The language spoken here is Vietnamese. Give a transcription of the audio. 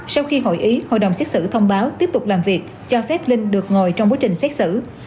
sau khi hội ý hội đồng xét xử thông báo tiếp tục làm việc cho phép linh được ngồi trong quá trình xét xử